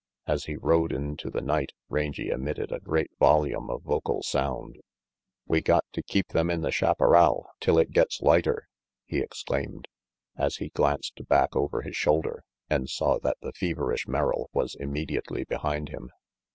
As he rode into the night, Rangy emitted a great volume of vocal sound. "We got to keep them in the chaparral till it gets lighter!" he exclaimed, as he glanced back over his shoulder and saw that the feverish Merrill was immediately behind him.